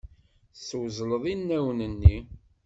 Teswezleḍ inaw-nni.